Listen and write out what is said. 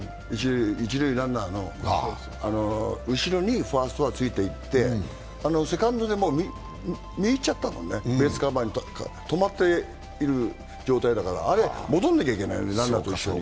一塁ランナーの後ろにファーストはついていって、セカンドでもう、ベースカバーに止まってる状態だからあれ戻らなきゃいけない、ランナーと一緒に。